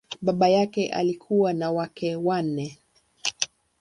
Baba yake alikuwa na wake wanne.